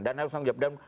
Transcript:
dan harus di ucapkan